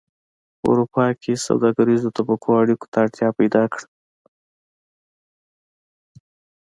په اروپا کې سوداګریزو طبقو اړیکو ته اړتیا پیدا کړه